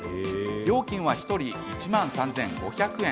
料金は１人１万３５００円。